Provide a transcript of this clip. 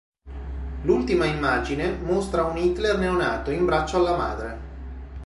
L'ultima immagine, mostra un Hitler neonato in braccio alla madre.